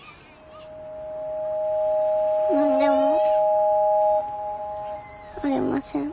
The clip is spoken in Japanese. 何でもありません。